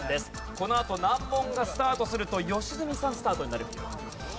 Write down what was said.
このあと難問がスタートすると良純さんスタートになる。